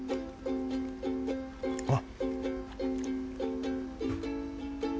あっ。